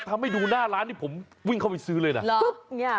ทำให้ดูหน้าร้านนี่ผมวิ่งเข้าไปซื้อเลยนะ